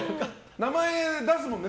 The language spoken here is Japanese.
名前出すもんね